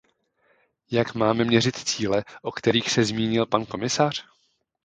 Jak máme měřit cíle, o kterých se zmínil pan komisař?